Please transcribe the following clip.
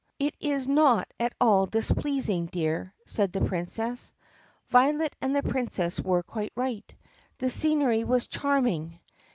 "It is not at all displeasing, dear," said the Princess. Violet and the Princess were quite right. The scenery was charming.